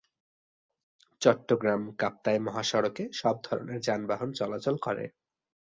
চট্টগ্রাম-কাপ্তাই মহাসড়কে সব ধরনের যানবাহন চলাচল করে।